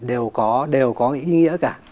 đều có ý nghĩa